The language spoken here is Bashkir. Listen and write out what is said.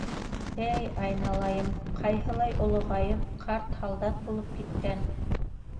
— Эй айналайым, ҡайһылай олоғайып, ҡарт һалдат булып киткән!